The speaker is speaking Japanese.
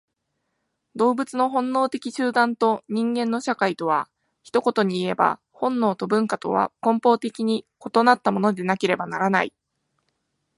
動物の本能的集団と人間の社会とは、一言にいえば本能と文化とは根本的に異なったものでなければならない。